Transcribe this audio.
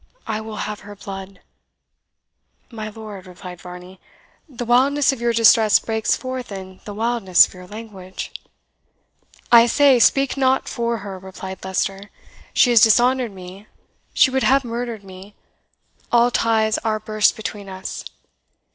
I will have her blood!" "My lord," replied Varney, "the wildness of your distress breaks forth in the wildness of your language." "I say, speak not for her!" replied Leicester; "she has dishonoured me she would have murdered me all ties are burst between us.